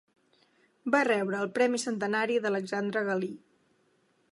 Va rebre el Premi Centenari d'Alexandre Galí.